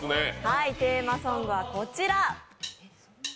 テーマソングはこちら。